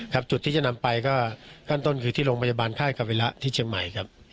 จุดที่จะนำไปก็ขั้นต้นคือที่โรงพยาบาลค่ายคาวิระที่เชียงใหม่ครับ